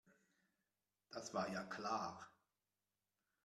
Das war ja klar.